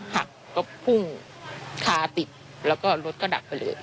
หักก็พุ่งคาติดแล้วก็รถก็ดักไปเลย